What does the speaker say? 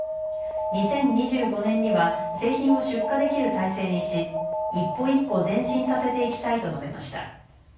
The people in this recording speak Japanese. ２０２５年には製品を出荷できる体制にし一歩一歩前進させていきたいと述べました。